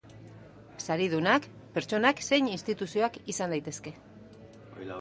Saridunak pertsonak zein instituzioak izan daitezke.